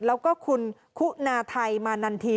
แล้วก็คุณคุณาไทยมานันที